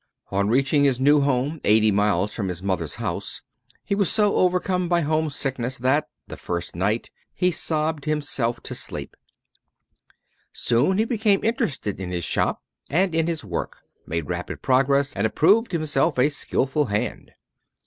On reaching his new home, eighty miles from his mother's house, he was so overcome by homesickness that, the first night, he sobbed himself to sleep. Soon he became interested in his shop and in his work, made rapid progress, and approved himself a skillful hand.